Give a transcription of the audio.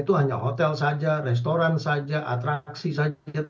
itu hanya hotel saja restoran saja atraksi saja